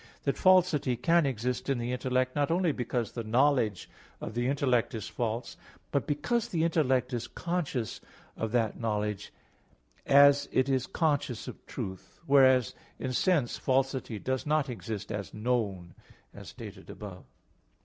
2), that falsity can exist in the intellect not only because the knowledge of the intellect is false, but because the intellect is conscious of that knowledge, as it is conscious of truth; whereas in sense falsity does not exist as known, as stated above (A.